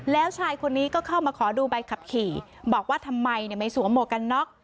แล้วชายคนนี้ก็เข้ามาขอดูใบขับขี่บอกว่าทำไมไม่สวมหมวกกันน็อก